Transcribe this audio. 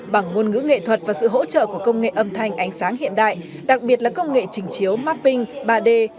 bằng ngôn ngữ nghệ thuật và sự hỗ trợ của công nghệ âm thanh ánh sáng hiện đại đặc biệt là công nghệ trình chiếu mapping ba d